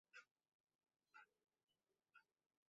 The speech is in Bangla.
আমার সাবান খুঁজে পাচ্ছি না।